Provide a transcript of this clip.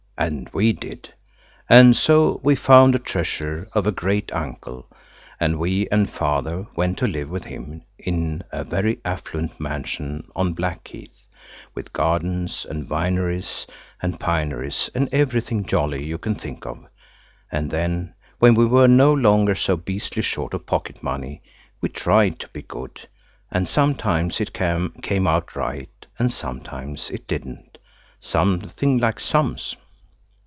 And we did. And so we found a treasure of a great uncle, and we and Father went to live with him in a very affluent mansion on Blackheath–with gardens and vineries and pineries and everything jolly you can think of. And then, when we were no longer so beastly short of pocket money, we tried to be good, and sometimes it came out right, and sometimes it didn't. Something like sums.